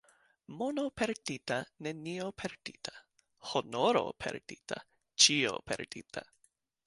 Mono perdita, nenio perdita, — honoro perdita, ĉio perdita.